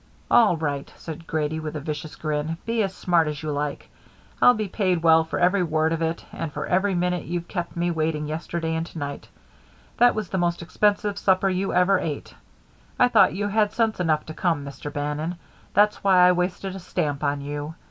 "All right," said Grady, with a vicious grin. "Be as smart as you like. I'll be paid well for every word of it and for every minute you've kept me waiting yesterday and to night That was the most expensive supper you ever ate. I thought you had sense enough to come, Mr. Bannon. That's why I wasted a stamp on you.